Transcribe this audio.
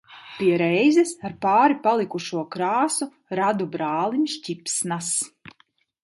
Pie reizes ar pāri palikušo krāsu radu brālim sķipsnas.